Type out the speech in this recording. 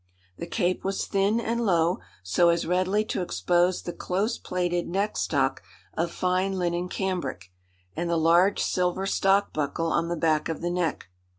The cape was thin and low, so as readily to expose the close plaited neck stock of fine linen cambric, and the large silver stock buckle on the back of the neck.